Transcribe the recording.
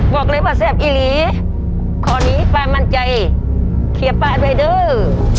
บอกเลยว่าเสียบอีหลีขอหนีไปมั่นใจเขียบไปไปด้วย